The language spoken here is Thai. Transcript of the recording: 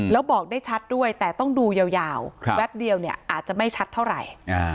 แล้วบอกได้ชัดด้วยแต่ต้องดูยาวแป๊บเดียวเนี่ยอาจจะไม่ชัดเท่าไหร่